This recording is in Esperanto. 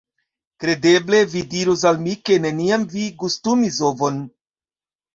Kredeble vi diros al mi ke neniam vi gustumis ovon?